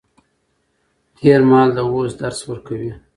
تېر مهال د اوس درس ورکوي.